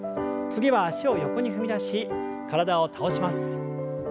次は脚を横に踏み出し体を倒します。